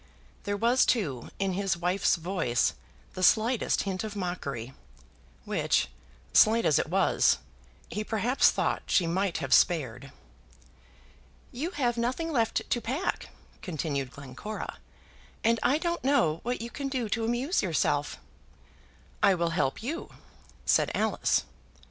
There was, too, in his wife's voice the slightest hint of mockery, which, slight as it was, he perhaps thought she might have spared. "You have nothing left to pack," continued Glencora, "and I don't know what you can do to amuse yourself." "I will help you," said Alice.